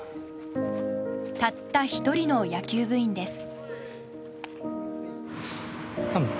たった１人の野球部員です。